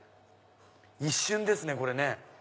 一瞬ですねこれね。